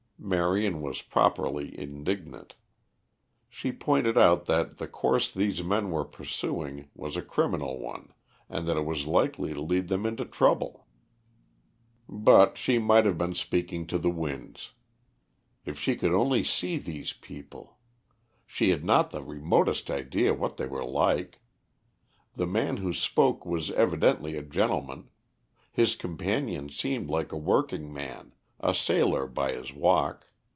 Marion was properly indignant. She pointed out that the course these men were pursuing was a criminal one, and that it was likely to lead them into trouble. But she might have been speaking to the winds. If she could only see these people! She had not the remotest idea what they were like. The man who spoke was evidently a gentleman; his companion seemed like a working man a sailor by his walk.